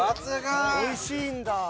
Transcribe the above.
おいしいんだ。